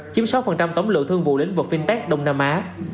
chiếm sáu tổng lượng thương vụ lĩnh vực fintech đông nam á